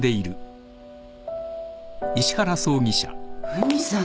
フミさん